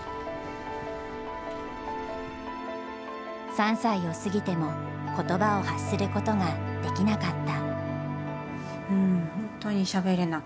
３歳を過ぎても言葉を発することができなかった。